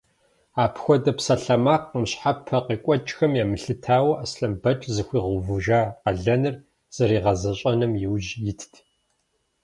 Апхуэдэ псалъэмакъ мыщхьэпэ къекӏуэкӏхэм емылъытауэ, Аслъэнбэч зыхуигъэувыжа къалэныр зэригъэзэщӏэным иужь итт.